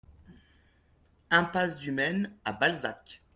Impasse du Maine à Balzac